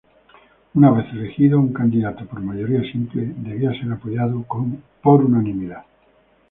Una vez era elegido un candidato por mayoría simple, debía ser apoyado con unanimidad.